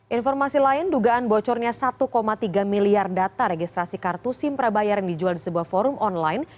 informasi lain dugaan bocornya satu tiga miliar data registrasi kartu sim prabayar yang dijual di sebuah forum online